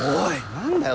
何だよ